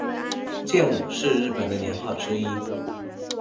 建武是日本的年号之一。